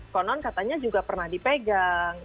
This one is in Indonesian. konon katanya juga pernah dipegang